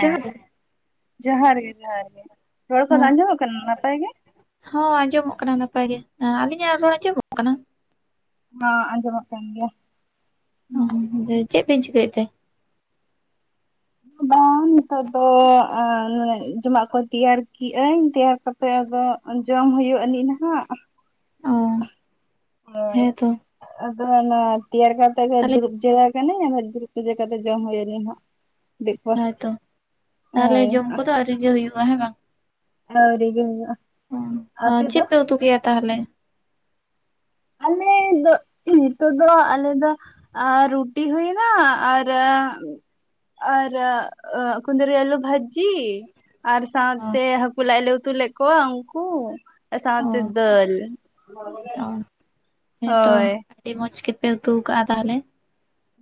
ᱡᱚᱦᱟᱨ ᱜᱮ ᱡᱚᱸᱦᱟᱨ ᱜᱮ ᱡᱚᱸᱦᱟᱨ ᱜᱮ᱾ ᱨᱚᱲ ᱠᱚᱫᱚ ᱦᱮᱸ ᱟᱸᱡᱚᱢᱚᱜ ᱠᱟᱱᱟ ᱱᱟᱯᱟᱭ ᱜᱮ? ᱦᱚᱸ ᱟᱸᱡᱚᱢᱚᱜ ᱠᱟᱱᱟ ᱱᱟᱯᱟᱭ ᱜᱮ᱾ ᱮᱸ ᱟᱹᱞᱤᱧᱟᱜ ᱨᱚᱲ ᱟᱸᱡᱚᱢᱚᱜ ᱠᱟᱱᱟ? ᱦᱚᱸ ᱟᱸᱡᱚᱢᱚᱜ ᱠᱟᱱ ᱜᱮᱭᱟ᱾ ᱚ ᱡᱮ ᱪᱮᱫ ᱯᱮ ᱪᱤᱠᱟᱹᱭᱮᱫ ᱛᱮ? ᱵᱟᱝ ᱱᱤᱛᱚᱜ ᱫᱚ ᱮᱸ ᱮᱸ ᱡᱚᱢᱟᱜ ᱠᱚ ᱛᱮᱭᱟᱨ ᱠᱤᱟᱹᱧ ᱛᱮᱭᱟᱨ ᱠᱟᱛᱮ ᱟᱫᱚ ᱡᱚᱢ ᱦᱩᱭᱩᱜ [unintelligible] ᱱᱟᱦᱟᱜ᱾ ᱦᱳᱭ᱾ ᱦᱮᱸ ᱛᱚ᱾ ᱟᱫᱚ ᱚᱱᱟ ᱛᱮᱭᱟᱨ ᱠᱟᱛᱮ ᱜᱮ ᱛᱟᱦᱞᱮ ᱫᱩᱲᱩᱵ ᱡᱤᱨᱟᱹᱣ ᱠᱟᱱᱟᱹᱧ ᱫᱩᱲᱩᱵ ᱥᱚᱡᱷᱮ ᱠᱟᱛᱮ ᱡᱚᱢ ᱦᱳᱭᱟᱞᱤᱧ ᱦᱟᱸᱜ᱾ ᱫᱤᱠ ᱯᱚᱨ ᱦᱳᱭ ᱛᱚ ᱛᱟᱦᱚᱞᱮ ᱦᱳᱭ᱾ ᱡᱚᱢ ᱠᱚᱫᱚ ᱟᱹᱣᱨᱤ ᱜᱮ ᱦᱩᱭᱩᱜᱼᱟ ᱦᱮᱸ ᱵᱟᱝ? ᱟᱹᱣᱨᱤ ᱜᱮ ᱦᱩᱭᱩᱜ-ᱟ᱾ ᱚ ᱟᱯᱮ ᱫᱚ? ᱪᱮᱫ ᱯᱮ ᱩᱛᱩ ᱠᱮᱭᱟ ᱛᱟᱦᱚᱞᱮ? ᱟᱞᱮ ᱫᱚ [inaudible] ᱱᱤᱛᱚᱜ ᱫᱚ ᱟᱞᱮ ᱫᱚ ᱨᱩᱴᱤ ᱦᱩᱭᱱᱟ ᱟᱨ ᱟᱨ ᱠᱩᱱᱫᱨᱤ ᱟᱞᱩ ᱵᱷᱚᱡᱤ ᱟᱨ ᱚ ᱥᱟᱶᱛᱮ ᱦᱟᱹᱠᱩ ᱞᱟᱭ ᱞᱮᱮ ᱩᱛᱩ ᱞᱮᱫ ᱠᱚᱣᱟ ᱩᱱᱠᱩ ᱚ ᱥᱟᱶᱛᱮ ᱫᱟᱹᱞ᱾ ᱚ ᱦᱮᱸᱛᱚ ᱦᱳᱭ ᱟᱹᱰᱤ ᱢᱚᱸᱡᱽ ᱜᱮᱯᱮ ᱩᱛᱩ ᱠᱟᱜᱼᱟ ᱛᱟᱦᱚᱞᱮ᱾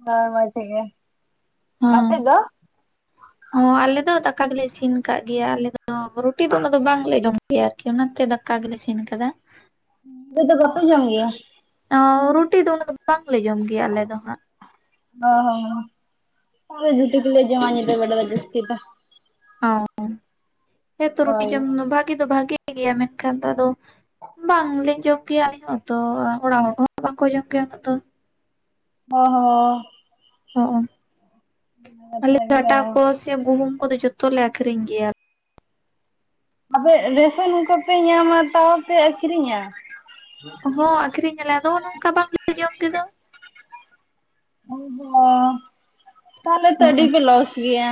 ᱵᱟᱝ ᱵᱟᱝ ᱪᱮᱫ ᱜᱮ ᱦᱮᱸ ᱟᱯᱮ ᱫᱚ? ᱟᱞᱮ ᱫᱚ ᱫᱚᱞᱮ ᱤᱥᱤᱱ ᱟᱠᱟᱟᱜ ᱜᱮᱭᱟ ᱟᱞᱮ ᱫᱚ ᱨᱩᱴᱤ ᱫᱚ ᱩᱱᱟᱹᱜ ᱫᱚ ᱵᱟᱝᱞᱮ ᱡᱚᱢ ᱟᱨᱠᱤ ᱚᱱᱟᱛᱮ ᱫᱟᱠᱟ ᱜᱮᱞ ᱤᱥᱤᱱ ᱟᱠᱟᱫᱟ᱾ ᱨᱩᱴᱤ ᱫᱚ ᱵᱟᱯᱮ ᱡᱚᱢ ᱜᱮᱭᱟ? ᱨᱩᱴᱤ ᱫᱚ ᱵᱟᱝᱞᱮ ᱡᱚᱢ ᱜᱮᱭᱟ ᱟᱞᱮ ᱫᱚ ᱦᱟᱸᱜ᱾ ᱚ ᱦᱚᱸ ᱟᱨᱮ ᱡᱩᱴᱤᱠᱮ ᱡᱚᱢ ᱧ ᱵᱟᱲ ᱫᱚ ᱡᱟᱹᱥᱛᱤ ᱫᱚ ᱚ ᱦᱮᱸᱛᱚ ᱨᱩᱴᱤ ᱦᱳᱭ ᱡᱚᱢ ᱵᱷᱟᱜᱤ ᱫᱚ ᱵᱷᱟᱜᱮ ᱜᱮᱭᱟ ᱢᱮᱱᱠᱷᱟᱱ ᱫᱚ ᱟᱫᱚ ᱵᱟᱝᱞᱤᱧ ᱡᱚᱢ ᱠᱮᱭᱟ ᱟᱹᱞᱤᱧ ᱦᱚᱸ ᱛᱚ ᱚᱲᱟᱜ ᱦᱚᱲ ᱠᱚᱦᱚᱸ ᱵᱟᱝᱠᱚ ᱡᱚᱢ ᱜᱮᱭᱟ ᱩᱱᱟᱹᱜ ᱫᱚ ᱦᱸᱚ ᱦᱚᱸ ᱚ ᱟᱞᱮ ᱠᱟᱛᱷᱟ ᱜᱮ ᱦᱟᱴᱟᱜ ᱠᱚ ᱥᱮ ᱜᱩᱦᱩᱢ ᱠᱚᱫᱚ ᱡᱚᱛᱚ ᱞᱮ ᱟᱹᱠᱷᱨᱤᱧ ᱜᱮᱭᱟ᱾ ᱟᱯᱮ ᱨᱮᱥᱚᱱ ᱠᱟᱯᱮ ᱧᱟᱢᱟ ᱛᱟᱣ ᱯᱮ ᱟᱹᱠᱷᱨᱤᱧᱟ? ᱦᱚᱸ ᱟᱠᱠᱷᱨᱤᱧ ᱟᱞᱮ ᱟᱫᱚ ᱱᱚᱝᱠᱟ ᱵᱟᱝᱞᱮ ᱡᱚᱢ ᱛᱮᱫᱚ᱾ ᱚ ᱦᱚᱸ ᱛᱟᱦᱞᱮ ᱛᱚ ᱦᱚᱸ ᱟᱹᱰᱤ ᱯᱮ ᱞᱚᱥ ᱜᱮᱭᱟ᱾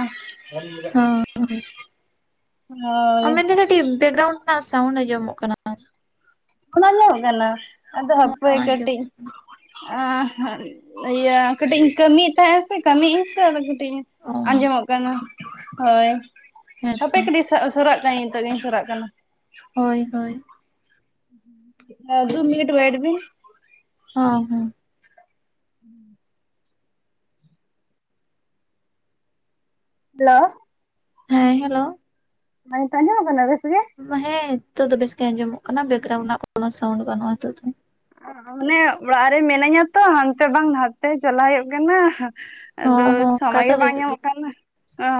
ᱦᱳᱭ ᱢᱮᱱᱫᱟᱹᱧ ᱫᱤᱫᱤ ᱵᱮᱠᱜᱨᱟᱩᱱᱰ ᱨᱮᱱᱟᱜ ᱥᱟᱣᱩᱱᱰ ᱟᱸᱡᱚᱢᱚᱜ ᱠᱟᱱᱟ᱾ ᱚᱱᱟ ᱟᱧᱡᱚᱢᱚᱜ ᱠᱟᱱᱟ ᱟᱫᱚ ᱦᱚᱸ ᱦᱟᱯᱚᱭ ᱠᱟᱹᱴᱤᱡᱼᱼ ᱟᱸᱡᱚᱢᱚᱜ ᱠᱟᱱᱟ ᱤᱭᱟᱹ ᱠᱟᱹᱴᱤᱡ ᱤᱧ ᱠᱟᱹᱢᱤᱭᱮᱫ ᱛᱟᱦᱮᱸᱫ ᱥᱮ ᱠᱟᱹᱢᱤᱧ ᱥᱮ ᱠᱟᱹᱴᱤᱡ ᱚ ᱟᱸᱡᱚᱢᱚᱜ ᱠᱟᱱᱟ ᱦᱳᱭ ᱦᱟᱯᱮ ᱦᱮᱸᱛᱚ ᱠᱟᱹᱴᱤᱡ ᱥᱚᱨᱚᱨᱟᱜ ᱠᱟᱱᱟᱧ ᱱᱤᱛᱚ ᱜᱤᱧ ᱥᱚᱨᱟᱜ ᱠᱟᱱᱟ᱾ ᱦᱳᱭ ᱦᱳᱭ᱾ [unintelligible] ᱟᱫᱚ ᱢᱤᱱᱤᱴ ᱳᱭᱮᱴ ᱵᱤᱱ ᱾ ᱦᱚᱸ ᱦᱚᱸ᱾ [inaudible] ᱦᱮᱞᱳ ᱦᱮᱸ ᱦᱮᱞᱳ᱾ ᱦᱮᱸ ᱱᱤᱛᱳᱜ ᱟᱸᱡᱚᱢᱚᱜ ᱠᱟᱱᱟ ᱵᱮᱥ ᱜᱮ? ᱦᱮᱸ ᱱᱤᱛᱚᱜ ᱫᱚ ᱵᱮᱥ ᱜᱮ ᱟᱸᱡᱚᱢᱚᱜ ᱠᱟᱱᱟ ᱵᱮᱠᱜᱨᱟᱣᱩᱱᱰ ᱨᱮᱱᱟᱜ ᱠᱚᱱᱚ ᱥᱟᱣᱩᱱᱰ ᱵᱟᱹᱱᱩᱜ-ᱟ ᱱᱤᱛᱚᱜ ᱫᱚ᱾ ᱚᱱᱮ ᱚᱲᱟᱜ ᱨᱮ ᱢᱤᱱᱟᱹᱧᱟ ᱛᱚ ᱦᱟᱱᱛᱮ ᱵᱟᱝ ᱱᱟᱛᱮ ᱪᱟᱞᱟᱣ ᱦᱩᱭᱩᱜ ᱠᱟᱱᱟ᱾ ᱟᱫᱚ ᱦᱚᱸ ᱦᱚᱸ ᱚᱱᱠᱟ ᱥᱚᱢᱚᱭ ᱫᱚ ᱜᱮ ᱵᱟᱝ ᱧᱟᱢᱚᱜ ᱠᱟᱱᱟ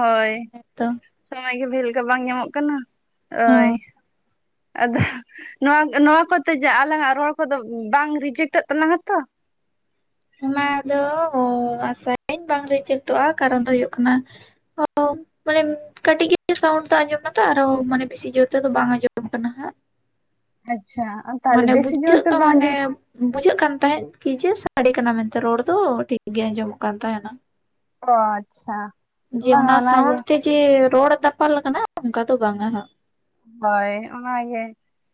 ᱦᱳᱭ᱾ ᱛᱚ ᱥᱚᱢᱚᱭ ᱜᱮ ᱵᱷᱮᱞ ᱜᱮ ᱵᱟᱝ ᱧᱟᱢᱚᱜ ᱠᱟᱱᱟ ᱦᱳᱭ᱾ ᱦᱚᱸ ᱟᱫᱚ ᱱᱚᱣᱟ ᱱᱚᱣᱟ ᱠᱚᱛᱮ ᱡᱮ ᱟᱞᱟᱝ ᱟᱜ ᱨᱚᱲ ᱠᱚᱫᱚ ᱵᱟᱝ ᱨᱤᱡᱮᱠᱴᱚᱜ ᱛᱟᱞᱟᱝᱟ ᱛᱚ? ᱚᱱᱟ ᱫᱚ ᱟᱥᱟᱭᱟᱹᱧ ᱵᱟᱝ ᱨᱤᱡᱮᱠᱴᱚᱜ-ᱟ ᱠᱟᱨᱚᱱ ᱫᱚ ᱦᱩᱭᱩᱜ ᱠᱟᱱᱟ [unintelligible] ᱢᱟᱱᱮ ᱠᱟᱹᱴᱤᱡ ᱜᱮ ᱥᱟᱣᱩᱱᱰ ᱫᱚ ᱟᱸᱡᱚᱢ ᱱᱟᱛᱚ ᱟᱨᱦᱚᱸ ᱢᱟᱱᱮ ᱵᱤᱥᱤ ᱡᱳᱨ ᱛᱮᱫᱚ ᱵᱟᱝ ᱟᱸᱡᱚᱢ ᱠᱟᱱᱟ ᱦᱟᱸᱜ᱾ ᱟᱪᱪᱷᱟ [unintelligible] ᱢᱟᱱᱮ ᱡᱳᱨ ᱫᱚ ᱵᱩᱡᱷᱟᱹᱜ-ᱟ ᱵᱟᱝ ᱢᱟᱱᱮ ᱟᱸᱡᱚᱢᱚᱜ ᱵᱩᱡᱷᱟᱹᱜ ᱠᱟᱱ ᱛᱟᱦᱮᱸᱫ ᱠᱤ ᱡᱮ ᱥᱟᱰᱮ ᱠᱟᱱᱟ ᱢᱮᱱᱛᱮ ᱨᱚᱲ ᱫᱚ ᱴᱷᱤᱠ ᱜᱮ ᱟᱸᱡᱚᱢᱚᱜ ᱠᱟᱱ ᱛᱟᱦᱮᱸᱱᱟ᱾ ᱚ ᱟᱪᱪᱷᱟ᱾ ᱡᱮ ᱵᱟᱝᱟ ᱚᱱᱟ ᱚᱱᱟᱜᱮ ᱥᱟᱣᱩᱱᱰ ᱛᱮ ᱡᱮ ᱨᱚᱲ ᱫᱟᱯᱟᱞ ᱟᱠᱟᱱᱟ ᱚᱱᱠᱟ ᱫᱚ ᱵᱟᱝᱟ ᱦᱟᱸᱜ᱾ ᱦᱳᱭ ᱚᱱᱟᱜᱮ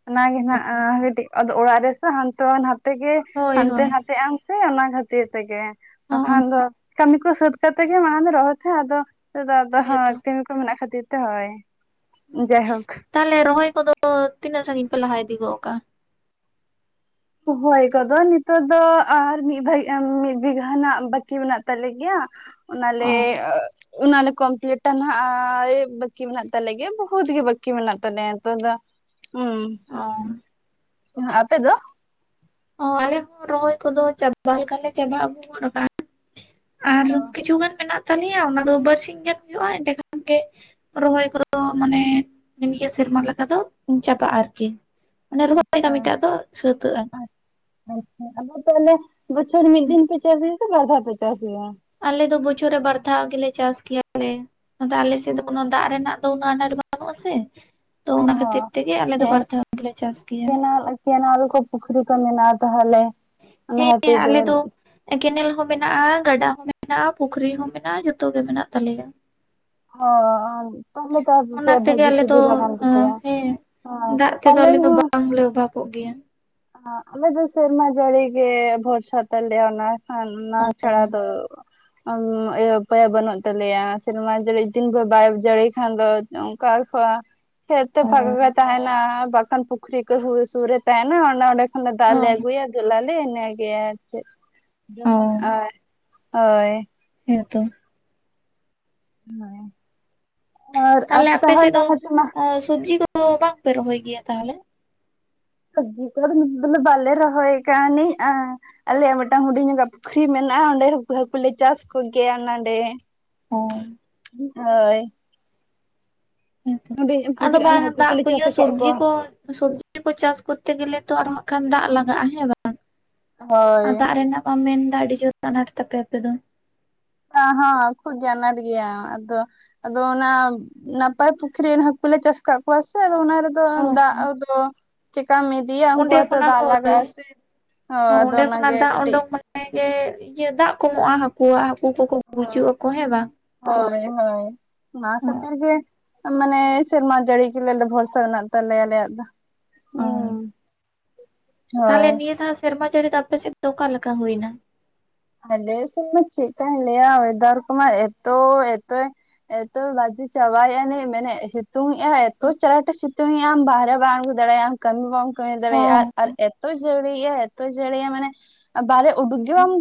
ᱚᱱᱟᱜᱮ ᱱᱟᱜ ᱠᱟᱹᱴᱤᱡ ᱟᱫᱚ ᱚᱲᱟᱜ ᱨᱮᱥᱮ ᱦᱟᱱᱛᱮ ᱱᱟᱛᱮ᱾ ᱛᱮᱜᱮ ᱦᱳᱭ ᱦᱟᱱᱛᱮ ᱦᱳᱭ ᱱᱷᱟᱛᱮᱜ ᱟᱢ ᱥᱮ ᱚᱱᱟ ᱠᱷᱟᱹᱛᱤᱨ ᱛᱮᱜᱮ ᱦᱚᱸ ᱵᱟᱠᱷᱟᱱ ᱫᱚ ᱠᱟᱹᱢᱤ ᱠᱚ ᱥᱟᱹᱛ ᱠᱟᱛᱮ ᱜᱮ ᱢᱟ ᱟᱫᱚ ᱨᱚᱦᱚᱭ ᱯᱮ ᱟᱫᱚ ᱦᱮᱸᱛᱚ [unintelligible] ᱠᱚ ᱢᱮᱱᱟᱜ ᱠᱷᱟᱹᱛᱤᱨ ᱛᱮ ᱚᱸᱚᱭ [inaudible] ᱡᱟᱭᱦᱳᱠ ᱛᱟᱦᱚᱞᱮ ᱨᱚᱦᱚᱭ ᱠᱚᱫᱚ ᱛᱤᱱᱟᱹᱜ ᱥᱟᱺᱜᱤᱧ ᱯᱮ ᱞᱟᱦᱟ ᱤᱫᱤ ᱜᱚᱜ ᱠᱟᱜ-ᱟ ᱨᱚᱦᱚᱭ ᱠᱚᱫᱚ ᱱᱤᱛᱚᱜ ᱫᱚ ᱟᱨ ᱢᱤᱫ ᱢᱤᱫ ᱵᱤᱜᱷᱟ ᱨᱮᱱᱟᱜ ᱵᱟᱹᱠᱤ ᱢᱮᱱᱟᱜ ᱛᱟᱞᱮ ᱜᱮᱭᱟ ᱚ ᱚᱱᱟᱞᱮ [unintelligible] ᱚᱱᱟᱞᱮ ᱠᱚᱢᱯᱤᱞᱤᱴᱟ ᱱᱟᱦᱟᱜ ᱟᱨ ᱵᱟᱹᱠᱤ ᱢᱮᱱᱟᱜ ᱛᱟᱞᱮ ᱜᱮᱭᱟ ᱵᱚᱦᱩᱛ ᱜᱮ ᱵᱟᱹᱠᱤ ᱢᱮᱱᱟᱜ ᱛᱟᱞᱮᱭᱟ ᱱᱤᱛᱚᱜ ᱫᱚ ᱦᱩᱸ [unintelligible] ᱟᱯᱮ ᱫᱚ ᱚ ᱟᱞᱮ ᱫᱚ ᱨᱚᱦᱚᱭ ᱠᱚᱫᱚ ᱪᱟᱵᱟ ᱞᱮᱠᱟᱞᱮ ᱪᱟᱵᱟ ᱟᱹᱜᱩ ᱜᱚᱫ ᱠᱟᱜ-ᱟ ᱚ ᱟᱨ ᱠᱤᱪᱷᱩ ᱜᱟᱱ ᱢᱮᱱᱟᱜ ᱛᱟᱞᱮᱭᱟ ᱚᱱᱟ ᱫᱚ ᱵᱟᱨᱥᱤᱧ ᱜᱟᱱ ᱦᱩᱭᱩᱜ-ᱟ ᱮᱸᱰᱮ ᱠᱷᱟᱱ ᱜᱮ ᱨᱚᱦᱚᱭ ᱠᱚᱫᱚ ᱢᱟᱱᱮ ᱱᱤᱭᱟᱹ ᱥᱮᱨᱢᱟ ᱞᱮᱠᱟ ᱫᱚ ᱢᱩᱪᱟᱹᱫᱚᱜᱟ ᱟᱨᱠᱤ ᱢᱟᱱᱮ ᱨᱚᱦᱚᱭ ᱟᱪᱪᱷᱟ ᱠᱟᱹᱢᱤᱴᱟᱜ ᱫᱚ ᱥᱟᱹᱛᱟᱹᱜ-ᱟ᱾ ᱟᱪᱪᱷᱟ ᱟᱪᱪᱷᱟ ᱟᱫᱚ ᱛᱟᱦᱚᱞᱮ ᱵᱚᱪᱷᱚᱨ ᱢᱤᱫ ᱫᱤᱱ ᱯᱮ ᱪᱟᱥ ᱜᱮᱭᱟ ᱥᱮ ᱵᱟᱨ ᱫᱷᱟᱣ ᱯᱮ ᱪᱟᱥ ᱜᱮᱭᱟ? ᱟᱞᱮ ᱫᱚ ᱵᱚᱪᱷᱚᱨ ᱨᱮ ᱵᱟᱨ ᱫᱷᱟᱣ ᱜᱮᱞᱮ ᱪᱟᱥ ᱜᱮᱭᱟᱞᱮ ᱱᱚᱛᱮ ᱟᱞᱮ ᱥᱮᱫ ᱚ ᱫᱚ ᱠᱳᱱᱳ ᱫᱟᱜ ᱨᱮᱱᱟᱜ ᱫᱚ ᱩᱱᱟᱹᱜ ᱟᱱᱟᱴ ᱜᱟᱱᱚᱜ ᱟᱥᱮ ᱛᱚ ᱚᱱᱟ ᱠᱷᱟᱹᱛᱤᱨ ᱛᱮᱜᱮ ᱟᱞᱮ ᱫᱚ ᱦᱚᱸ ᱵᱟᱨ ᱫᱷᱟᱣ ᱫᱚᱞᱮ ᱪᱟᱥ ᱜᱮᱭᱟ᱾ ᱠᱮᱱᱟᱞ ᱠᱮᱱᱟᱞ ᱠᱚ ᱯᱩᱠᱷᱨᱤ ᱠᱚ ᱢᱮᱱᱟᱜ-ᱟ ᱛᱟᱦᱚᱞᱮ ᱚᱱᱟ ᱦᱮᱸ ᱠᱷᱟᱹᱛᱤᱨ ᱛᱮ ᱟᱞᱮ ᱫᱚ [inaudible] ᱠᱮᱱᱮᱞ ᱦᱚᱸ ᱢᱮᱱᱟᱜ-ᱟ ᱜᱟᱰᱟ ᱦᱚᱸ ᱢᱮᱱᱟᱜ-ᱟ ᱯᱩᱠᱷᱨᱤ ᱦᱚᱸ ᱢᱮᱱᱟᱜ-ᱟ ᱡᱷᱚᱛᱚ ᱜᱮ ᱢᱮᱱᱟᱜ ᱛᱟᱞᱮᱭᱟ᱾ ᱚ ᱛᱟᱦᱚᱞᱮ ᱛᱚ ᱚᱱᱟ ᱟᱯᱮ ᱛᱮᱜᱮ ᱵᱷᱟᱜᱤ ᱟᱞᱮ ᱫᱚ ᱥᱩᱵᱤᱫᱷᱟ ᱠᱟᱱ ᱛᱟᱯᱮᱭᱟ᱾ ᱦᱮᱸ ᱫᱟᱜ ᱛᱮᱫᱚ ᱟᱞᱮ ᱫᱚ ᱵᱟᱝᱞᱮ ᱚᱵᱷᱟᱵᱚᱜ ᱜᱮᱭᱟ᱾ ᱚ ᱟᱞᱮ ᱫᱚ ᱥᱮᱨᱢᱟ ᱡᱟᱹᱲᱤ ᱜᱮ ᱵᱷᱚᱨᱥᱟ ᱛᱟᱞᱮ ᱚᱱᱟ᱾ ᱚᱱᱟ ᱚ ᱪᱷᱟᱲᱟ ᱫᱚ ᱩᱯᱟᱹᱭ ᱵᱟᱹᱱᱩᱜ ᱛᱟᱞᱮᱭᱟ ᱥᱮᱨᱢᱟ ᱡᱮᱫᱤᱱ ᱫᱚ ᱵᱟᱭ ᱡᱟᱹᱲᱤ ᱠᱷᱟᱱ ᱫᱚ ᱚᱱᱠᱟ ᱠᱷᱚᱣᱟ ᱠᱷᱮᱛ ᱛᱮ ᱯᱷᱟᱠᱟ ᱜᱮ ᱛᱟᱦᱮᱸᱱᱟ ᱵᱟᱠᱷᱟᱱ ᱯᱩᱠᱷᱨᱤ ᱠᱚ ᱦᱩᱲᱩ ᱥᱩᱨ ᱨᱮ ᱛᱟᱦᱮᱱᱟ ᱚᱱᱟ ᱚᱸᱰᱮ ᱚᱱᱟ ᱚ ᱫᱟᱜ ᱞᱮ ᱟᱹᱜᱩᱭᱟ ᱫᱩᱞ ᱟᱞᱮ ᱤᱱᱟᱹᱜᱮ ᱟᱨ ᱪᱮᱫ ᱚ ᱡᱮᱢᱚᱱ ᱟᱨ᱾ ᱦᱚᱭ ᱦᱮᱸ ᱛᱚ᱾ ᱱᱚᱜᱚᱭ ᱟᱨ ᱟᱯᱮ ᱛᱟᱦᱚᱞᱮ [unintelligible] ᱟᱨ ᱥᱚᱵᱡᱤ ᱠᱚ ᱛᱚ ᱵᱟᱝᱯᱮ ᱨᱚᱦᱚᱭ ᱜᱮᱭᱟ ᱛᱟᱦᱚᱞᱮ [unintelligible] ᱵᱟᱞᱮ ᱨᱚᱦᱭ ᱠᱟ ᱱᱤᱜ-ᱟ ᱟᱞᱮᱭᱟᱜ ᱢᱤᱫᱴᱟᱝ ᱦᱩᱰᱤᱧᱚᱜᱟᱜ ᱯᱩᱠᱷᱨᱤ ᱢᱮᱱᱟᱜᱼᱟ ᱚᱸᱰᱮ ᱦᱟᱹᱠᱩ ᱠᱩᱞᱮ ᱪᱟᱥ ᱠᱚᱜᱮᱭᱟ ᱱᱚᱰᱮ। ᱦᱚᱸ ᱦᱳᱭ ᱦᱮᱸ ᱛᱚ ᱦᱩᱰᱤᱧ ᱟᱫᱚ ᱯᱩᱠᱷᱨᱤ ᱚᱱᱟ ᱵᱟᱝ ᱦᱟᱹᱠᱩ ᱫᱟᱜ ᱠᱚᱞᱮ ᱠᱚ ᱪᱟᱥ ᱟᱠᱟᱫ ᱥᱚᱵᱽᱡᱤ ᱠᱚᱣᱟ ᱠᱚ ᱥᱚᱵᱽᱡᱤ [unintelligible] ᱪᱟᱥ ᱠᱚᱨᱛᱮ ᱜᱮᱞᱮ ᱛᱚ ᱟᱨ ᱦᱚᱸ ᱦᱟᱜ ᱠᱷᱟᱱ ᱫᱟᱜ ᱞᱟᱜᱟᱜᱼᱟ ᱦᱮᱸ ᱵᱟᱝ ᱦᱳᱭ ᱟᱨ ᱫᱟᱜ ᱨᱮᱱᱟᱜ ᱟᱢ ᱢᱮᱱᱫᱟ ᱟᱹᱰᱤ ᱡᱳᱨ ᱟᱱᱟᱴ ᱛᱟᱯᱮ ᱟᱯᱮ ᱫᱚ ᱦᱟᱸ ᱦᱟᱸ ᱠᱷᱩᱵᱽ ᱜᱮ ᱟᱱᱟᱴ ᱜᱮᱭᱟ ᱟᱫᱚ ᱟᱫᱚ ᱚᱱᱟ ᱱᱟᱯᱟᱭ ᱯᱩᱠᱷᱨᱤ ᱨᱮᱱ ᱦᱟᱠᱩ ᱞᱮ ᱪᱟᱥ ᱟᱠᱟᱫ ᱠᱚᱣᱟ ᱥᱮ ᱟᱫᱚ ᱚᱱᱟ ᱨᱮ ᱫᱚ ᱚ ᱫᱟᱜ ᱫᱚ ᱪᱮᱠᱟ ᱢᱤᱫ ᱚᱸᱰᱮ [unintelligible] ᱠᱷᱚᱱᱟᱜ ᱫᱟᱜ ᱦᱳᱭ ᱞᱟᱜᱟᱜ-ᱟ ᱥᱮ ᱦᱚᱸ ᱟᱫᱚ ᱚᱱᱟ ᱜᱮ ᱠᱟᱹᱴᱤᱡ‌ ᱦᱮᱸᱜᱮ ᱤᱭᱟᱹ ᱫᱟᱜ ᱠᱚᱢᱚᱜᱼᱟ ᱦᱟᱹᱠᱩᱣᱟᱜ ᱦᱟᱹᱠᱩ ᱠᱚᱠᱚ ᱜᱩᱡᱩᱜ ᱟᱠᱚ ᱦᱮᱸ ᱵᱟᱝ ᱦᱳᱭ ᱦᱳᱭ ᱦᱳᱭ ᱚᱱᱟ ᱚ ᱠᱷᱟᱹᱛᱤᱨ ᱜᱮ ᱢᱟᱱᱮ ᱥᱮᱨᱢᱟ ᱡᱟᱹᱲᱤ ᱜᱮᱞᱮ ᱟᱞᱮ ᱵᱷᱚᱨᱥᱟ ᱢᱮᱱᱟᱜ ᱛᱟᱞᱮᱭᱟ ᱟᱞᱮᱭᱟᱜ ᱫᱚ᱾ ᱚ ᱦᱩᱸ ᱦᱳᱭ ᱛᱟᱦᱟᱞᱮ ᱱᱤᱭᱟᱹ ᱫᱷᱟᱣ ᱥᱮᱨᱢᱟ ᱡᱟᱹᱲᱤ ᱫᱚ ᱟᱯᱮ ᱥᱮᱫ ᱫᱚ ᱚᱠᱟ ᱞᱮᱠᱟ ᱦᱳᱭᱱᱟ? ᱟᱞᱮ ᱥᱮᱫ ᱫᱚ ᱪᱮᱫᱠᱟᱧ ᱞᱟᱹᱭᱟ ᱳᱭᱮᱫᱟᱨ ᱠᱚᱢᱟ ᱮᱛᱚ ᱮᱛᱚᱭ ᱮᱛᱚ ᱵᱟᱡᱮ ᱪᱟᱵᱟᱭᱮᱜ-ᱟ ᱟᱹᱱᱤᱡ ᱢᱮᱱᱮᱫ ᱥᱤᱛᱩᱝ ᱮᱜᱟᱭ ᱮᱛᱚ ᱪᱟᱨᱟᱴ ᱮ ᱥᱤᱛᱩᱝᱮᱜ-ᱟ ᱟᱢ ᱵᱟᱦᱨᱮ ᱵᱟᱢ ᱩᱰᱩᱜ ᱫᱟᱲᱮᱭᱟᱜ-ᱟᱢ᱾ ᱠᱟᱹᱢᱤ ᱵᱟᱢ ᱠᱟᱹᱢᱤ ᱫᱟᱲᱮᱭᱟᱜ-ᱟ, ᱦᱚᱸ ᱟᱨ ᱮᱛᱚᱭ ᱡᱟᱹᱲᱤᱭᱮᱜ-ᱟ ᱮᱛᱚ ᱡᱟᱹᱲᱤᱭᱮᱜ-ᱟ ᱢᱟᱱᱮ ᱵᱟᱨᱮ ᱩᱰᱩᱠ ᱜᱮ ᱵᱟᱢ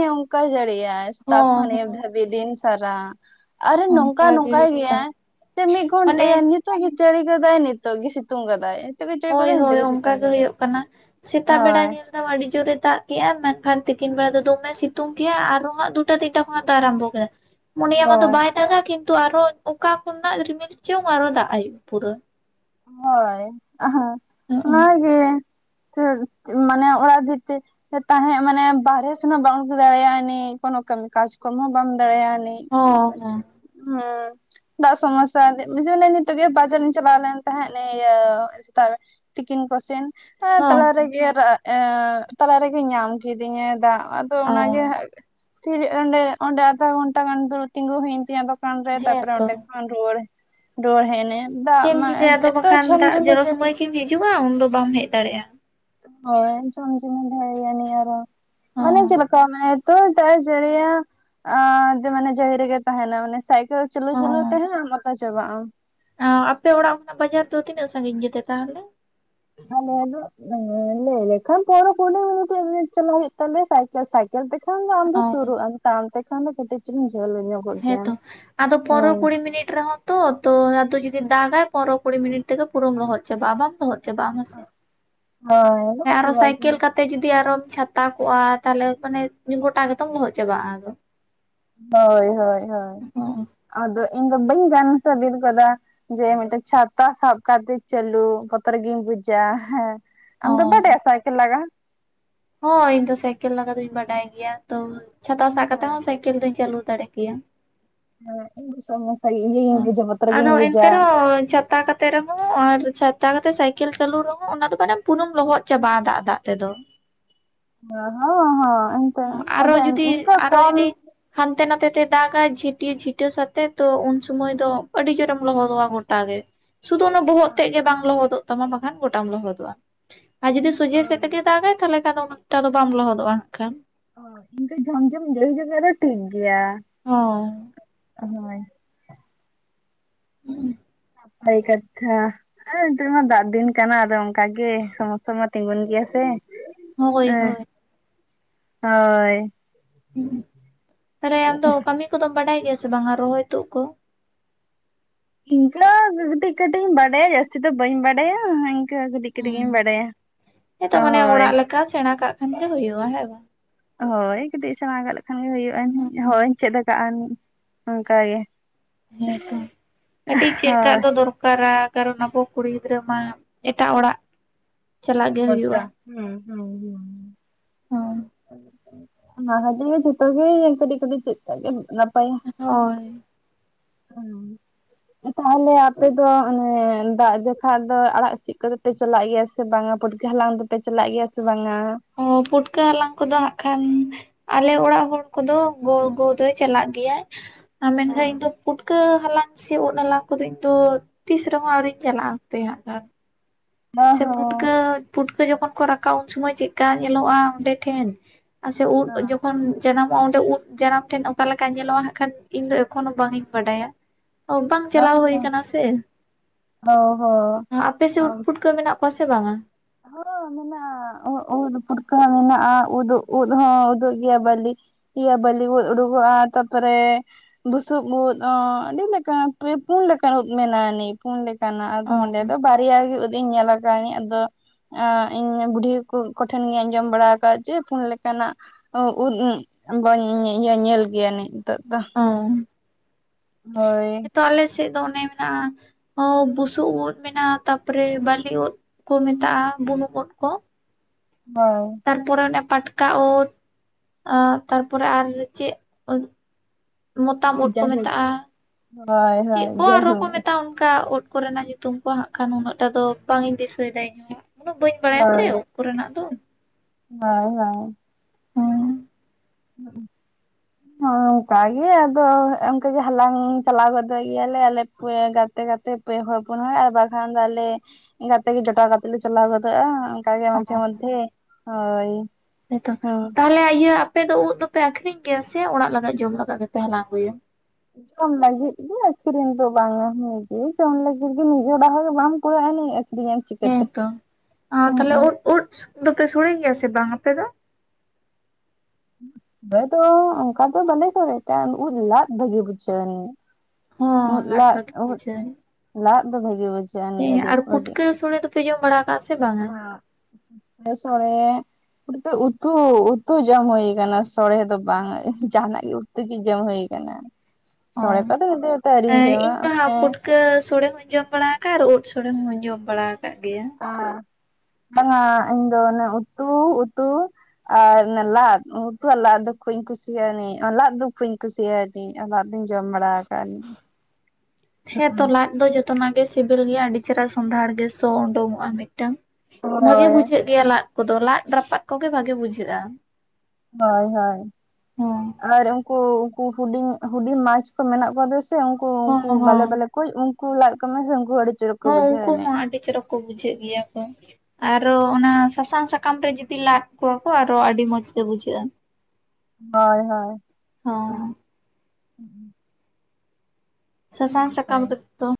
ᱦᱮᱸ ᱚᱝᱠᱟᱭ ᱡᱟᱹᱲᱤᱭᱮᱜᱟ ᱥᱮᱛᱟᱜ ᱦᱚᱸ ᱠᱷᱚᱱ ᱟᱹᱭᱩᱵ ᱦᱚᱸ ᱫᱷᱟᱹᱵᱤᱡ ᱫᱤᱱ ᱥᱟᱨᱟ᱾ ᱟᱨᱮ ᱱᱚᱝᱠᱟ ᱚᱱᱠᱟ ᱜᱮ ᱱᱚᱝᱠᱟᱭ ᱦᱩᱭᱩᱜ ᱜᱮᱭᱟ ᱠᱟᱱᱟ ᱥᱮ ᱢᱤᱫ ᱢᱟᱱᱮ [inaudible] ᱛᱳᱜ ᱜᱮ ᱡᱟᱲᱤ ᱜᱚᱫᱟᱭ ᱱᱤᱛᱳᱜ ᱜᱮ ᱥᱤᱛᱩᱝ ᱜᱚᱫᱟᱭ᱾ ᱦᱳᱭ ᱦᱳᱭ ᱚᱝᱠᱟ ᱜᱮ ᱦᱳᱭᱳᱜ ᱠᱟᱱᱟ ᱥᱮᱛᱟᱜ ᱵᱮᱲᱟ ᱦᱳᱭ ᱧᱮᱞ ᱫᱟᱢ ᱟᱹᱰᱤ ᱡᱳᱨᱮ ᱫᱟᱜ ᱠᱮᱜᱟ ᱢᱮᱱᱠᱷᱟᱱ ᱛᱤᱠᱤᱱ ᱵᱮᱲᱟ ᱫᱚᱢᱮ ᱥᱤᱛᱩᱝ ᱠᱮᱜᱟ ᱟᱨᱚ ᱦᱟᱸᱜ ᱫᱩᱴᱟ ᱛᱤᱱᱴᱟ ᱠᱷᱚᱱᱟᱜ ᱫᱟᱜ ᱟᱨᱟᱢᱵᱚ [unintelligible] ᱢᱚᱱᱮᱭᱟᱢ ᱢᱟ ᱫᱚ ᱦᱳᱭ ᱵᱟᱭ ᱫᱟᱜᱟ ᱠᱤᱱᱛᱩ ᱟᱨᱚ ᱚᱠᱟ ᱠᱷᱚᱱᱟᱜ ᱨᱤᱢᱤᱞ ᱪᱚᱝ ᱟᱨᱚ ᱦᱚᱸ ᱫᱟᱜ ᱦᱤᱡᱩᱜᱟ ᱯᱩᱨᱟᱹ᱾ ᱦᱳᱭ ᱦᱚᱸ ᱚᱱᱟᱜᱮ [inaudible] ᱢᱟᱱᱮ ᱚᱲᱟᱜ ᱵᱷᱤᱛᱤᱨ ᱛᱟᱦᱮᱸ ᱢᱟᱱᱮ ᱵᱟᱨᱦᱮ ᱥᱮᱱ [inaudible] ᱟᱹᱱᱤᱡ ᱠᱚᱱᱚ ᱠᱟᱹᱢᱤ ᱠᱟᱡᱽᱠᱨᱚᱢ ᱦᱚᱸ ᱵᱟᱢ ᱫᱟᱲᱮᱭᱟᱜ ᱟᱱᱤᱡ। ᱦᱚᱸ ᱦᱩᱸ ᱫᱟᱜ ᱥᱳᱢᱳᱥᱟ [unintelligible] ᱱᱤᱛᱳᱜ ᱜᱮ ᱵᱟᱡᱟᱨ ᱞᱤᱧ ᱪᱟᱞᱟᱣ ᱞᱮᱱ ᱛᱟᱦᱮᱸᱫ ᱱᱮ ᱤᱭᱟᱹ ᱥᱮᱛᱟᱜ ᱵᱮ ᱛᱤᱠᱤᱱ ᱠᱚ ᱥᱮᱱ ᱟᱨ ᱛᱟᱞᱟ ᱦᱚᱸ ᱨᱮᱜᱮ ᱨᱟ ᱮᱸ ᱛᱟᱞᱟ ᱨᱮᱜᱮ ᱧᱟᱢ ᱠᱤᱫᱤᱧᱟᱭ ᱫᱟᱜ ᱟᱫᱚ ᱚ ᱚᱱᱟᱜᱮ ᱛᱷᱤᱨ ᱚᱸᱰᱮ ᱚᱸᱰᱮ ᱟᱫᱷᱟ ᱜᱷᱚᱱᱴᱟ ᱜᱟᱱ ᱫᱩᱲᱩᱵ ᱛᱤᱸᱜᱩ ᱦᱩᱭᱤᱱ ᱛᱤᱧᱟᱹ ᱫᱚᱠᱟᱱ ᱨᱮ ᱦᱮᱸ ᱛᱟᱯᱚᱨᱮ ᱛᱚ ᱚᱸᱰᱮ ᱠᱷᱚ ᱨᱩᱣᱟᱹᱲ ᱨᱩᱣᱟᱹᱲ ᱦᱮᱡ ᱤᱱᱟᱹᱧ ᱫᱟᱜ ᱪᱮᱫ ᱮᱢ ᱢᱟ ᱪᱤᱠᱟᱹᱭᱟ ᱟᱫᱚ ᱮᱛᱚ ᱵᱟᱠᱷᱟᱱ ᱡᱷᱚᱢ ᱫᱟᱜ ᱡᱷᱚᱢᱮ ᱡᱚᱨᱚ ᱥᱳᱢᱟᱹᱭ ᱡᱟᱹᱲᱤᱭᱟ ᱜᱤᱢ ᱦᱤᱡᱩᱜ-ᱟ, ᱩᱱᱫᱚ ᱵᱟᱢ ᱦᱮᱡ ᱫᱟᱲᱮᱜ-ᱟ᱾ ᱦᱳᱭ ᱡᱷᱚᱢ ᱡᱷᱚᱢᱮ ᱫᱟᱜ ᱮ ᱟᱱᱤᱡ ᱟᱨᱚ ᱢᱟᱱᱮ ᱦᱚᱸ ᱪᱮᱫ ᱞᱮᱠᱟ ᱢᱟᱱᱮ ᱛᱚ ᱫᱟᱜ ᱡᱟᱹᱲᱤᱭᱟ ᱟᱻ ᱢᱟᱱᱮ ᱡᱟᱲᱤ ᱨᱮᱜᱮ ᱛᱟᱦᱮᱸᱱᱟ, ᱢᱟᱱᱮ ᱥᱟᱭᱠᱮᱞ ᱪᱟᱹᱞᱩ ᱪᱟᱹᱞᱩ ᱛᱮᱦᱟᱢ [unintelligible] ᱪᱟᱵᱟᱜᱟᱢ᱾ ᱚ ᱟᱯᱮ ᱚᱲᱟᱜ ᱠᱷᱚᱱᱟᱜ ᱵᱟᱡᱟᱨ ᱫᱚ ᱛᱤᱱᱟᱹᱜ ᱥᱟᱹᱜᱤᱧ ᱜᱮᱛᱮ ᱛᱟᱦᱚᱞᱮ? ᱟᱞᱮ ᱫᱚ ᱞᱟᱹᱭ ᱞᱮᱠᱷᱱᱟ ᱯᱚᱱᱨᱚ ᱠᱩᱲᱤ ᱢᱤᱱᱤᱴ ᱪᱟᱞᱟᱣ ᱦᱩᱭᱩᱜ ᱛᱟᱞᱮᱭ-ᱟ ᱥᱟᱭᱠᱮᱞ ᱥᱟᱭ ᱠᱮᱞ ᱛᱮᱠᱷᱟᱱ ᱫᱚ ᱟᱢ ᱫᱚ ᱚ ᱥᱩᱨᱩᱜᱟᱢ ᱛᱟᱲᱟᱢ ᱛᱮᱠᱷᱟᱱ ᱫᱚ ᱠᱟᱹᱴᱤᱡ ᱪᱩᱞᱩᱝ ᱡᱷᱟᱹᱞ ᱧᱚᱜ᱾ ᱦᱮᱸᱛᱚ ᱟᱫᱚ ᱯᱚᱱᱨᱚ ᱠᱩᱲᱤ ᱢᱤᱱᱤᱴ ᱨᱮᱦᱚᱸ ᱛᱚ ᱛᱚ ᱟᱫᱚ ᱡᱩᱫᱤ ᱫᱟᱜᱟᱭ ᱯᱚᱱᱨᱚ ᱠᱩᱲᱤ ᱢᱤᱱᱤᱴ ᱛᱮᱜᱮ ᱯᱩᱨᱟᱹᱢ ᱞᱚᱦᱚᱫ ᱪᱟᱵᱟᱜ-ᱟ, ᱵᱟᱢ ᱞᱚᱦᱚᱫ ᱪᱟᱵᱟᱜ-ᱟ ᱢᱟᱥᱮ? ᱦᱳᱭ᱾ ᱦᱮᱸ ᱟᱨᱚ ᱥᱟᱭᱠᱮᱞ ᱠᱟᱛ ᱛᱮ ᱡᱩᱫᱤ ᱟᱨᱚᱢ ᱪᱷᱟᱛᱟ ᱠᱚᱜᱟ ᱛᱟᱞᱦᱮ ᱢᱟᱱᱮ ᱜᱚᱴᱟ ᱜᱮᱛᱚᱢ ᱞᱚᱦᱚᱫ ᱪᱟᱵᱟᱜ-ᱟ ᱟᱫᱚ᱾ ᱦᱳᱭ ᱦᱳᱭ ᱦᱳᱭ ᱚ ᱟᱫᱚ ᱤᱧ ᱫᱚ ᱵᱟᱹᱧ [inaudible] ᱡᱮ ᱢᱤᱫᱴᱮᱡ ᱪᱷᱟᱛᱟ ᱥᱟᱵ ᱠᱟᱛᱮ ᱪᱟᱹᱞᱩ ᱵᱚᱛᱚᱨ ᱜᱤᱧ ᱵᱩᱪᱟ ᱦᱮᱸ᱾ ᱟᱢ ᱫᱚᱢ ᱵᱟᱰᱟᱭᱟ ᱥᱟᱭᱠᱮᱞ ᱞᱟᱜᱟ? ᱦᱳᱭ ᱤᱧ ᱫᱚ ᱥᱟᱭᱠᱮᱞ ᱞᱟᱜᱟ ᱫᱩᱧ ᱵᱟᱰᱟᱭ ᱜᱮᱭᱟ, ᱛᱚ ᱪᱷᱟᱛᱟ ᱥᱟᱜ ᱠᱟᱛᱮᱜ ᱦᱚᱸ ᱥᱟᱭᱠᱮᱞ ᱫᱩᱧ ᱪᱟᱹᱞᱩ ᱫᱟᱲᱮ ᱜᱮᱭᱟ ᱾ [inaudible] ᱤᱭᱟᱹ ᱜᱤᱧ ᱵᱩᱡᱟ ᱵᱚᱛᱚᱨ ᱜᱤᱧ ᱵᱩᱪᱟ᱾ ᱦᱚᱸ ᱪᱷᱟᱛᱟ ᱠᱟᱛ ᱛᱮ ᱨᱮᱦᱚᱸ ᱟᱨ ᱪᱷᱟᱛᱟ ᱠᱟᱛᱮ ᱥᱟᱭᱠᱮᱞ ᱪᱟᱹᱞᱩ ᱨᱮᱦᱚᱸ ᱚᱱᱟ ᱫᱚ ᱢᱟᱱᱮᱢ ᱯᱩᱨᱟᱹᱢ ᱞᱚᱜᱚᱫ ᱪᱟᱵᱟᱜ-ᱟ ᱫᱟᱜ ᱫᱟᱜ ᱛᱮᱫᱚ ᱾ [unintelligible] ᱦᱚᱸ ᱦᱚᱸ ᱮᱱᱛᱮ ᱟᱫᱚ ᱡᱩᱫᱤ [unintelligible] ᱤᱱᱠᱟᱹ ᱟᱨᱚ ᱠᱚᱢ ᱡᱩᱫᱤ ᱦᱟᱱᱛᱮ ᱱᱟᱛᱮ ᱛᱮ ᱫᱟᱜᱟᱭ ᱡᱷᱤᱴᱤ ᱡᱷᱤᱴᱟᱹᱥ ᱟᱛᱮ ᱛᱚ ᱩᱱ ᱥᱩᱢᱟᱹᱭ ᱫᱚ ᱟᱹᱰᱤ ᱡᱳᱨᱮᱢ ᱞᱚᱦᱚᱫᱚᱜ-ᱟ ᱜᱚᱴᱟ ᱜᱮ, ᱥᱩᱫᱩ ᱚᱱᱟ ᱵᱚᱦᱚᱜ ᱛᱮᱫ ᱜᱮ ᱵᱟᱝ ᱞᱚᱦᱚᱫᱚᱜ ᱠᱟᱱᱟ ᱛᱟᱢᱟ ᱵᱟᱠᱷᱟᱱ ᱜᱚᱴᱟᱢ ᱞᱚᱦᱚᱫᱚᱜ-ᱟ, ᱟᱨ ᱡᱩᱫᱤ ᱥᱳᱡᱷᱮ ᱥᱮᱫ ᱦᱳᱭ ᱛᱮᱜᱮ ᱫᱟᱜᱟᱭ ᱛᱟᱞᱦᱮ ᱠᱷᱟᱱ ᱫᱚᱹ ᱩᱱᱟ ᱴᱟ ᱫᱚ ᱵᱟᱢ ᱞᱚᱦᱚᱫᱚᱜ-ᱟ ᱦᱟᱸᱜᱠᱷᱟᱱ᱾ ᱤᱝᱠᱟᱹ ᱡᱷᱚᱢ ᱡᱷᱚᱢ ᱡᱟᱹᱲᱤ ᱡᱚᱠᱷᱚᱡ ᱫᱚ ᱴᱷᱤᱠ ᱜᱮᱭᱟ ᱾ ᱦᱚᱸ᱾ ᱦᱳᱭ᱾ ᱦᱩᱸᱜ-ᱩᱸ᱾ ᱱᱟᱯᱟᱭ ᱠᱟᱛᱷᱟ᱾ ᱦᱮᱸ ᱱᱤᱛᱜ ᱢᱟ ᱫᱟᱜ ᱫᱤᱱ ᱠᱟᱱᱟ᱾ ᱟᱫᱚ ᱚᱱᱠᱟ ᱜᱮ ᱥᱚᱢᱚᱥᱟ ᱢᱟ ᱛᱤᱸᱜᱩᱱ ᱜᱮᱭᱟ ᱥᱮ᱾ ᱚ ᱦᱳᱭ ᱦᱳᱭ ᱮᱸ ᱦᱳᱭ᱾ ᱦᱩᱸ᱾ ᱛᱟᱞᱦᱮ ᱟᱢ ᱫᱚ ᱠᱟᱹᱢᱤ ᱠᱚᱫᱚᱢ ᱵᱟᱰᱟᱭ ᱜᱮᱭᱟ ᱥᱮ ᱵᱟᱝᱟ ᱨᱚᱦᱚᱭ ᱛᱩᱫ ᱠᱚ? ᱤᱧᱠᱟ. ᱠᱟᱹᱴᱤᱡ ᱠᱟᱹᱴᱤᱡ ᱤᱧ ᱵᱟᱰᱟᱭᱟ ᱡᱟᱹᱥᱛᱤ ᱫᱚ ᱵᱟᱹᱧ ᱵᱟᱰᱟᱭᱟ᱾ ᱤᱱᱠᱟᱹ ᱠᱟᱹᱴᱤᱡ ᱠᱟᱹᱴᱤᱡ ᱦᱩᱸ᱾ ᱜᱤᱧ ᱵᱟᱰᱟᱭᱟ ᱦᱮᱸ ᱛᱚ ᱢᱟᱱᱮ ᱦᱳᱭ ᱚᱲᱟᱜ ᱞᱮᱠᱟ ᱥᱮᱬᱟ ᱠᱟᱜ ᱠᱷᱟᱱ ᱜᱮ ᱦᱩᱭᱩᱜᱼᱟ, ᱦᱮᱸ ᱵᱟᱝ? ᱦᱳᱭ ᱠᱟᱹᱴᱤᱡ ᱥᱮᱬᱟ ᱠᱟᱜ ᱞᱮᱠᱷᱟᱱ ᱜᱮ ᱦᱩᱭᱩᱜᱼᱟ᱾ ᱦᱳᱭ ᱪᱮᱫ ᱠᱟᱜᱼᱟ ᱚᱱᱠᱟ ᱜᱮ᱾ ᱦᱮᱸᱛᱚ᱾ ᱠᱟᱹᱴᱤᱡ ᱪᱮᱫ ᱠᱟᱜ ᱦᱳᱭ ᱫᱚ ᱫᱚᱨᱠᱟᱨᱟ᱾ ᱠᱟᱨᱚᱱ ᱟᱵᱚ ᱠᱩᱲᱤ ᱜᱤᱫᱽᱨᱟᱹ ᱢᱟ ᱮᱴᱟᱜ ᱚᱲᱟᱜ ᱪᱟᱞᱟᱜ ᱜᱮ ᱚ ᱦᱩᱭᱩᱜᱼᱟ ᱟᱪᱪᱷᱟ, ᱦᱩᱸ ᱦᱩᱸ ᱦᱩᱸ᱾ [unintelligible] ᱱᱟᱦᱟ ᱜᱮ ᱡᱷᱚᱛᱚ ᱜᱮ ᱠᱟᱹᱴᱤᱡ ᱠᱟᱹᱴᱤᱡ ᱪᱮᱫ ᱠᱟᱜ ᱜᱮ ᱱᱟᱯᱟᱭᱟ᱾ ᱾ ᱦᱳᱭ ᱦᱩᱸ᱾ [inaudible] ᱛᱟᱦᱟᱞᱮ ᱟᱯᱮ ᱫᱚ ᱚᱱᱮ ᱫᱟᱜ ᱡᱚᱠᱷᱟᱡ ᱫᱚ ᱟᱲᱟᱜ ᱥᱤᱫ ᱠᱚᱫᱟᱯᱮ ᱪᱟᱞᱟᱜ ᱜᱮᱭᱟ ᱥᱮ ᱵᱟᱝᱟ? ᱯᱩᱴᱠᱟᱹ ᱦᱟᱞᱟᱝ ᱫᱚᱯᱮ ᱪᱟᱞᱟᱜ ᱜᱮᱭᱟ ᱥᱮ ᱵᱟᱝᱟ? ᱚ ᱯᱷᱩᱴᱠᱟᱹ ᱦᱟᱞᱟᱝ ᱠᱚᱫᱚ ᱦᱟᱸᱜ ᱠᱷᱟᱱ ᱟᱞᱮ ᱚᱲᱟᱜ ᱦᱚᱲ ᱠᱚᱫᱚ ᱜᱚᱲ ᱜᱚ ᱫᱚᱭ ᱪᱟᱞᱟᱜ ᱜᱮᱟᱭ ᱟᱨ ᱢᱮᱱᱠᱷᱟᱱ ᱤᱧ ᱫᱚ ᱯᱩᱴᱠᱟᱹ ᱦᱟᱞᱟᱝ ᱥᱮ ᱩᱫᱽ ᱦᱟᱞᱟᱝ ᱠᱚᱫᱚ ᱤᱧ ᱫᱚ ᱛᱤᱥ ᱨᱮᱦᱚᱸ ᱟᱹᱣᱨᱤᱧ ᱪᱟᱞᱟᱜᱼᱟ ᱦᱟᱯᱮ ᱦᱟᱸᱜ ᱠᱷᱟᱱ᱾ ᱚ ᱥᱮ ᱯᱩᱴᱠᱟᱹ ᱦᱚᱸ ᱯᱩᱴᱠᱟᱹ ᱡᱚᱠᱷᱚᱱ ᱠᱚ ᱨᱟᱠᱟᱵ ᱩᱱ ᱥᱚᱢᱚᱭ ᱪᱮᱫᱠᱟ ᱧᱮᱞᱚᱜ-ᱟ ᱚᱸᱰᱮ ᱴᱷᱮᱱ᱾ ᱟ ᱥᱮ ᱩᱫᱽ ᱡᱚᱠᱷᱚᱱ ᱡᱟᱱᱟᱢᱚᱜᱼᱟ, ᱚᱸᱰᱮ ᱩᱫᱽ ᱡᱟᱱᱟᱢ ᱴᱷᱮᱱ ᱚᱠᱟ ᱞᱮᱠᱟ ᱧᱮᱞᱚᱜᱼᱟ ᱦᱟᱸᱜ ᱠᱷᱟᱱ ᱤᱧ ᱫᱚ ᱮᱠᱷᱚᱱᱚ ᱵᱟᱝ ᱤᱧ ᱵᱟᱰᱟᱭᱟ᱾ ᱚ ᱵᱟᱝ ᱪᱟᱞᱟᱣ ᱦᱩᱭ ᱟᱠᱟᱱᱟ ᱥᱮ᱾ ᱚ ᱦᱚᱸ ᱚ ᱦᱚᱸ ᱟᱯᱮ ᱥᱮᱫ ᱩᱫ ᱠᱟᱹ ᱢᱮᱱᱟᱜ ᱠᱚᱣᱟ ᱥᱮ ᱵᱟᱝᱟ? ᱦᱚᱸ ᱢᱮᱱᱟᱜᱼᱟ᱾ ᱩᱫᱽ ᱩᱫᱽ ᱯᱷᱩᱨᱠᱟᱹ ᱦᱚ ᱢᱮᱱᱟᱜᱼᱟ᱾ ᱩᱫᱽᱩᱜ ᱩᱫᱽ ᱦᱚᱸ ᱩᱫᱩᱜ ᱜᱮᱭᱟ ᱵᱟᱹᱞᱤ ᱤᱭᱟᱹ ᱵᱟᱹᱞᱤ ᱩᱫᱽ ᱩᱰᱩᱜᱚ-ᱟ᱾ ᱛᱟᱯᱚᱨᱮ ᱵᱩᱥᱩᱵ ᱩᱫ ᱦᱚᱸ ᱟᱹᱰᱤ ᱞᱮᱠᱟᱱ ᱯᱮ ᱯᱩᱱ ᱞᱮᱠᱟᱱ ᱩᱫᱽ ᱢᱮᱱᱟᱜ-ᱟ᱾ ᱱᱤ ᱯᱩᱱ ᱞᱮᱠ ᱠᱟᱱᱟ᱾ ᱟᱫᱚ ᱚ ᱚᱸᱰᱮ ᱫᱚ ᱵᱟᱨᱭᱟ ᱜᱮ ᱩᱫᱽ ᱤᱧ ᱧᱮᱞ ᱠᱟᱣᱱᱤᱧ᱾ ᱟᱫᱚ ᱟᱸ ᱤᱧ ᱵᱩᱰᱷᱤ ᱠᱚ-ᱠᱚᱴᱷᱮᱱ ᱜᱤᱧ ᱟᱸᱡᱚᱢ ᱵᱟᱲᱟ ᱟᱠᱟᱫ ᱡᱮ ᱯᱩᱱ ᱞᱮᱠᱟᱱᱟᱜ ᱚ ᱩᱫᱽ ᱵᱟᱹᱧ ᱧᱮ-ᱧᱮᱞ ᱜᱮᱭᱟ ᱱᱤᱡ ᱱᱤᱛᱚᱜ ᱫᱚ᱾ ᱦᱚᱸ᱾ ᱦᱳᱭ᱾ ᱛᱚ ᱟᱞᱮ ᱥᱮᱫ ᱫᱚ ᱚᱱᱮ ᱢᱮᱱᱟᱜᱼᱟ ᱦᱚᱸ ᱵᱩᱥᱩᱵ ᱩᱫᱽ ᱢᱮᱱᱟᱜᱼᱟ᱾ ᱛᱟᱯᱚᱨᱮ ᱵᱟᱹᱞᱤ ᱩᱫᱽ ᱠᱚ ᱢᱮᱛᱟᱜᱼᱟ, ᱵᱩᱱᱩᱢ ᱩᱫᱽ ᱠᱚ᱾ ᱦᱳᱭ᱾ ᱛᱟᱨᱯᱚᱨᱮ ᱚᱱᱮ ᱯᱟᱴᱠᱟ ᱳᱫᱽ᱾ ᱟ ᱛᱟᱨᱯᱚᱨᱮ ᱟᱨ ᱪᱮᱫ ᱩᱫᱽ ᱢᱚᱛᱟᱢ ᱳᱫᱽ ᱠᱚ ᱢᱮᱛᱟᱜᱼᱟ᱾ ᱦᱳᱭ᱾ ᱪᱮᱫ ᱦᱳᱭ ᱠᱚ ᱟᱨᱦᱚ ᱠᱚ ᱡᱟᱭᱦᱳᱠ ᱢᱮᱛᱟᱜᱼᱟ ᱚᱱᱠᱟ ᱳᱫᱽ᱾ ᱠᱚᱨᱮᱱᱟᱜ ᱧᱩᱛᱩᱢ ᱠᱚ ᱦᱟᱸᱜ ᱠᱷᱟᱱ ᱩᱱᱟᱹᱜ ᱴᱟ ᱫᱚ ᱵᱟᱝ ᱤᱧ ᱫᱤᱥᱟᱹᱭᱮᱫᱟ ᱤᱧᱦᱚᱸ, ᱩᱱᱟᱹᱜ ᱵᱟᱹᱧ ᱵᱟᱲᱟᱭᱟ ᱥᱮ᱾ ᱦᱳᱭ ᱠᱚᱨᱮᱱᱟᱜ ᱫᱚ᱾ ᱦᱳᱭ ᱦᱳᱭ᱾ ᱦᱩᱸ᱾ [unintelligible] ᱚᱝᱠᱟ ᱜᱮ ᱟᱫᱚ ᱚᱝᱠᱟ ᱜᱮ ᱦᱟᱞᱟᱝ ᱪᱟᱞᱟᱣ ᱜᱚᱫᱚᱜ ᱜᱮᱭᱟᱞᱮ ᱟᱞᱮ ᱯᱮ ᱜᱟᱛᱮ ᱜᱟᱛᱮ᱾ ᱯᱮ ᱦᱚᱲ ᱯᱩᱱ ᱦᱚᱲ, ᱟᱨ ᱵᱟᱠᱷᱟᱱ ᱫᱚ ᱟᱞᱮ ᱜᱟᱛᱮ ᱜᱮ ᱡᱚᱴᱟᱣ ᱠᱟᱛᱮᱫ ᱞᱮ ᱪᱟᱞᱟᱣ ᱜᱚᱫᱚᱜ-ᱟ᱾ ᱠᱟ ᱜᱮ ᱢᱟᱡᱷᱮ ᱢᱚᱫᱷᱮ, ᱦᱳᱭ ᱦᱮᱸ ᱛᱚ ᱦᱩᱸ ᱛᱟᱦᱟᱞᱮ ᱤᱭᱟᱹ ᱟᱯᱮ ᱫᱚ ᱩᱫ ᱫᱚᱯᱮ ᱟᱹᱠᱷᱨᱤᱧ ᱜᱮᱭᱟ ᱥᱮ ᱚᱲᱟᱜ ᱞᱟᱜᱟᱫ ᱡᱚᱢ ᱞᱟᱜᱟᱫ ᱜᱮ ᱯᱮ ᱦᱟᱞᱟᱝ ᱟᱹᱜᱩᱭᱟ? ᱡᱚᱢ ᱞᱟᱹᱜᱤᱫ ᱜᱮ ᱟᱹᱠᱷᱨᱤᱧ ᱫᱚ ᱵᱟᱝᱟ, ᱱᱤᱡᱮ ᱡᱚᱢ ᱞᱟᱹᱜᱤᱫ ᱜᱮ [unintelligible] ᱚᱠᱚᱭᱟᱜ ᱞᱮ ᱟᱹᱠᱷᱨᱤᱧᱟ? ᱦᱮᱸ ᱛᱚ, ᱛᱟᱦᱚᱸᱞᱮ ᱳᱫ ᱳᱫ ᱫᱚᱯᱮ ᱥᱳᱲᱮ ᱜᱮᱭᱟ ᱥᱮ ᱵᱟᱝ ᱟᱯᱮ ᱫᱚ? ᱟᱞᱮ ᱫᱚ ᱚᱝᱠᱟ ᱫᱚ ᱵᱟᱞᱮ ᱥᱚᱲᱮ ᱛᱟᱦᱮᱸᱫ ᱩᱫ ᱞᱟᱫ ᱵᱷᱟᱹᱜᱤ ᱵᱩᱪᱷᱟᱹᱣ ᱟᱱᱤᱡ ᱦᱚᱸ ᱞᱟᱫ ᱵᱷᱟᱜᱮ ᱵᱩᱡᱷᱟᱹᱣ ᱟᱱᱤᱡ ᱞᱟᱫ ᱫᱚ ᱵᱷᱟᱹᱜᱤ ᱵᱩᱡ ᱦᱮᱸ ᱟᱨ ᱯᱩᱴᱠᱟᱹ ᱥᱳᱲᱮ ᱫᱚᱯᱮ ᱡᱚᱢ ᱵᱟᱲᱟ ᱠᱟᱜ-ᱟ ᱥᱮ ᱵᱟᱝᱟ? [inaudible] ᱥᱚᱲᱮᱻ ᱯᱩᱴᱠᱟᱹ ᱩᱛᱩ, ᱩᱛᱩ ᱡᱚᱢ ᱦᱳᱭ ᱠᱟᱱᱟ ᱥᱚᱲᱮ ᱫᱚ ᱵᱟᱝ, ᱡᱟᱦᱟᱸᱱᱟᱜ ᱜᱮ ᱛᱩᱜᱤ ᱡᱚᱢ ᱦᱳᱭ ᱠᱟᱱᱟ, ᱚ ᱥᱚᱲᱮ ᱠᱚᱫᱚ ᱢᱤᱫ ᱫᱤᱱ ᱦᱚᱸ ᱛᱚ ᱟᱹᱣᱨᱤᱧ ᱡᱚᱢᱟ ᱢᱟᱱᱮ ᱠᱟᱹ ᱥᱚᱲᱮ ᱦᱚᱸᱧ ᱡᱚᱢ ᱵᱟᱲᱟ ᱠᱟᱫ ᱳᱫ ᱥᱳᱲᱮ ᱦᱚᱸᱧ ᱡᱚᱢ ᱵᱟᱲᱟ ᱠᱟᱜ ᱜᱮᱭᱟ᱾ ᱵᱟᱝᱟ ᱤᱧ ᱫᱚ ᱚᱱᱮ ᱩᱛᱩ ᱩᱛᱩ ᱟᱨ ᱚᱱᱮ ᱞᱟᱫ ᱩᱛᱩ ᱟᱨ ᱞᱟᱫ ᱫᱚ ᱠᱷᱩᱵ ᱤᱧ ᱠᱩᱥᱤᱭᱟᱜᱟ ᱱᱤᱡ ᱚᱱᱟ ᱞᱟᱫ ᱫᱚ ᱠᱷᱩᱵ ᱤᱧ ᱠᱩᱥᱤᱭᱟᱜ-ᱟ ᱟᱲᱟᱜ ᱫᱩᱧ ᱡᱚᱢ ᱵᱟᱲᱟ ᱠᱟᱫ ᱟᱱᱤᱡ᱾ ᱟᱫᱚ ᱡᱚᱛᱚᱱᱟᱜ ᱜᱮ ᱥᱤᱵᱤᱞ ᱜᱮᱭᱟ ᱟᱹᱰᱤ ᱪᱮᱦᱚᱸᱨᱟ ᱥᱚᱸᱫᱷᱟᱲ ᱜᱮ ᱥᱚ ᱳᱰᱳᱝᱜ-ᱟ ᱢᱤᱫ ᱴᱟᱝ, ᱵᱷᱟᱹᱜᱤ ᱦᱳᱭ ᱵᱩᱡᱷᱟᱹᱜ ᱜᱮᱭᱟ ᱞᱟᱫ ᱠᱚ ᱫᱚ ᱞᱟᱫ ᱨᱟᱯᱟᱜ ᱠᱚ ᱜᱮ ᱵᱷᱟᱜᱮ ᱵᱩᱡᱷᱟᱹᱜ-ᱟ᱾ ᱦᱳᱭ ᱦᱳᱭ ᱦᱚᱸ ᱟᱨ ᱠᱩ ᱩᱝᱠᱩ ᱦᱩᱰᱤᱧ ᱦᱩᱰᱤᱧ ᱢᱟᱪ ᱠᱚ ᱢᱮᱱᱟᱜ ᱠᱚᱣᱟ ᱫᱚ ᱥᱮ ᱩᱝᱠᱩ ᱦᱚᱸ ᱩᱝᱠᱩ ᱦᱚᱸ ᱵᱟᱞᱮ ᱵᱟᱞᱮ ᱠᱳᱡ ᱩᱝᱠᱩ ᱞᱟᱫ ᱠᱚ ᱢᱮ ᱥᱮ ᱩᱝᱠᱩ ᱟᱹᱰᱤ ᱪᱚᱨᱚᱠ ᱠᱚ ᱦᱚᱸ ᱵᱩᱡᱷᱟᱹᱣ ᱩᱝᱠᱩ ᱟᱹᱱᱤᱡ ᱦᱚᱸ ᱟᱹᱰᱤ ᱪᱚᱨᱚᱠ ᱠᱚ ᱵᱩᱡᱷᱟᱹᱜ ᱜᱮᱭᱟ ᱠᱚ᱾ ᱟᱨᱚᱸ ᱚᱱᱟ ᱥᱟᱥᱟᱝ ᱥᱟᱠᱟᱢ ᱨᱮ ᱡᱩᱫᱤ ᱞᱟᱫ ᱠᱚᱣᱟ ᱠᱚ ᱟᱨᱚ ᱟᱹᱰᱤ ᱢᱚᱸᱡᱽ ᱜᱮ ᱵᱩᱡᱷᱟᱹᱜ-ᱟ᱾ [inaudible] ᱦᱳᱭ ᱦᱳᱭ, ᱦᱚᱸ, [inaudible] ᱥᱟᱥᱟᱝ ᱥᱟᱠᱟᱢ ᱦᱳᱭ ᱨᱮᱫ ᱛᱚ᱾